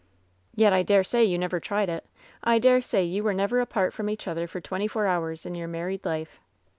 "Yet I dare say you never tried it. I dare swear you were never apart from each other for twenty four hours in your married life."